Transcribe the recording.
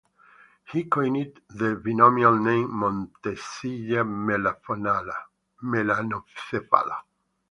He coined the binomial name "Montacilla melanocephala".